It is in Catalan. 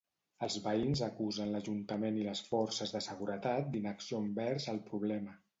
Els veïns acusen l'Ajuntament i les forces de seguretat d'inacció envers el problema.